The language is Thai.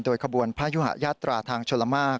โดยกระบวณพอยู่หยัดตราทางช